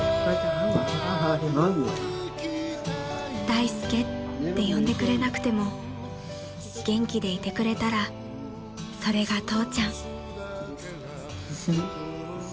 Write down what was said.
［「大介」って呼んでくれなくても元気でいてくれたらそれが父ちゃん］